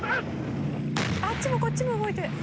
あっちもこっちも動いて。